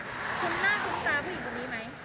คุณน่าคุ้มตาผู้หญิงตรงนี้ไหม